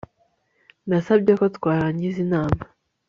Nasabye ko twarangiza inama